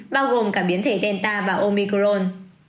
bao gồm cả biến thể delta và omicron